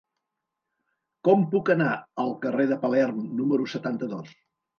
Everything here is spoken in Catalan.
Com puc anar al carrer de Palerm número setanta-dos?